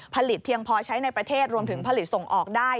เพียงพอใช้ในประเทศรวมถึงผลิตส่งออกได้